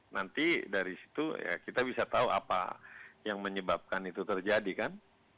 nanti dari situ ya kita bisa tahu apa yang menyebabkan itu terjadi kan